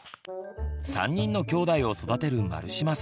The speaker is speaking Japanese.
３人のきょうだいを育てる丸島さん